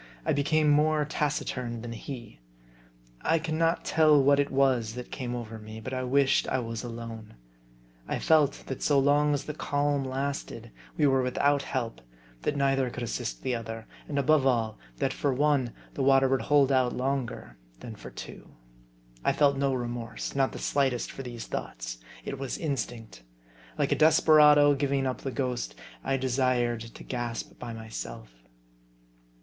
I became more taciturn than he. I can not tell what it was that came over me, but I wished I was alone. I felt that so long as the calm lasted, we were without help ; that neither could assist the other ; and above all, that for one, the water would hold out longer than for two. I felt no remorse, not the slightest, for these thoughts. It was instinct. Like a desperado giving up the ghost, I desired to gasp by myself.